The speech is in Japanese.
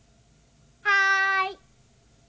はい。